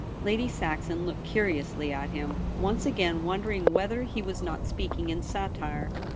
Lady Saxon looked curiously at him, once again wondering whether he was not speaking in satire.